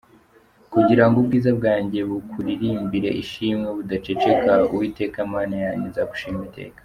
Kugira ngo ubwiza bwanjye bukuririmbire ishimwe budaceceka. Uwiteka Mana yanjye, nzagushima iteka